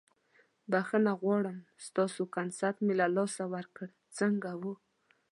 بخښنه غواړم ستاسو کنسرت مې له لاسه ورکړ، څنګه وه؟